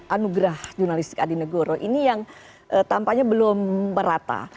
anugerah jurnalistik adi negoro ini yang tampaknya belum merata